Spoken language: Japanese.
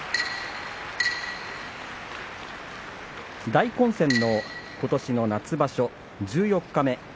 大混戦のことしの夏場所十四日目。